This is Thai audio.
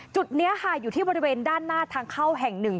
จุดนี้ค่ะอยู่ที่บริเวณด้านหน้าทางเข้าแห่งหนึ่ง